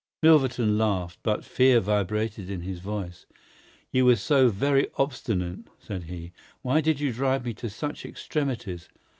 Milverton laughed, but fear vibrated in his voice. "You were so very obstinate," said he. "Why did you drive me to such extremities?